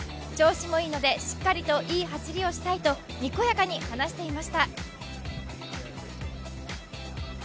調子もいいのでしっかりといい走りをしたいとにこやかに話していました。